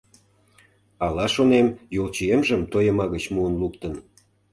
Ала, шонем, йолчиемжым тойыма гыч муын луктын.